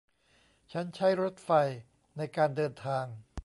ฉันใช้รถไฟในการเดินทาง